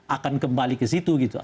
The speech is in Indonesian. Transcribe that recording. akan kembali ke situ gitu